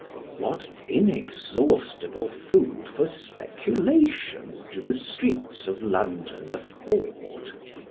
WHAT inexhaustible food for speculation, do the streets of London afford